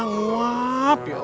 pengulutnya uwob tetep